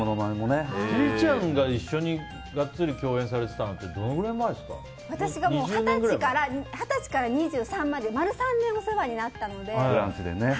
千里ちゃんが一緒にガッツリ共演されてたのって私が二十歳から２３まで丸３年お世話になったので。